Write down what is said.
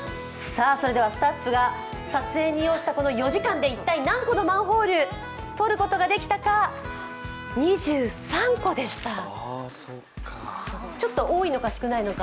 スタッフが撮影に要したこの４時間で一体何個のマンホールを撮ることができたか、２３個でしたちょっと多いのか、少ないのか。